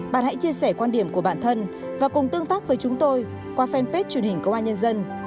bạn hãy chia sẻ quan điểm của bản thân và cùng tương tác với chúng tôi qua fanpage truyền hình công an nhân dân